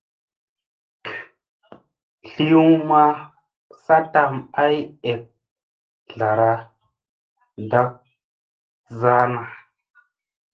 Zliw ma sattam ay ek zlara ndagzrana.